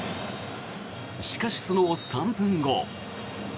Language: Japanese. しかし、その３分後。